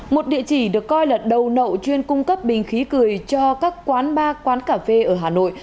một địa chỉ được coi là đầu nậu chuyên cung cấp bình khí cười cho các quán bar quán cà phê ở hà nội